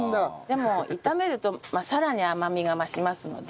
でも炒めるとさらに甘みが増しますので。